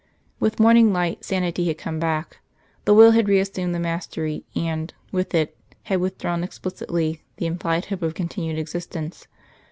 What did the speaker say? With morning light sanity had come back; the will had reassumed the mastery, and, with it, had withdrawn explicitly the implied hope of continued existence.